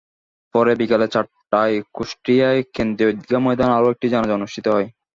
পরে বিকেল চারটায় কুষ্টিয়ার কেন্দ্রীয় ঈদগাহ ময়দানে আরও একটি জানাজা অনুষ্ঠিত হয়।